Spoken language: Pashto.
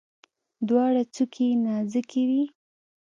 دواړه څوکي یې نازکې وي.